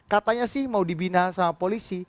katanya sih mau dibina sama polisi